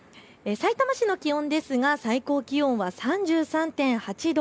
さいたま市の気温ですが最高気温は３３．８度。